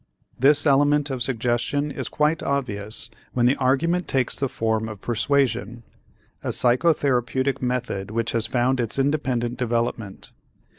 This element of suggestion is quite obvious when the argument takes the form of persuasion, a psychotherapeutic method which has found its independent development.